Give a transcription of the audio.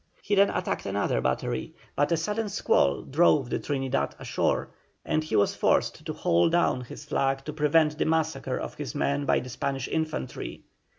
He then attacked another battery, but a sudden squall drove the Trinidad ashore, and he was forced to haul down his flag to prevent the massacre of his men by the Spanish infantry.